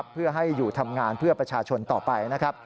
เพื่อให้อยู่ทำงานเพื่อประชาชนต่อไปนะครับ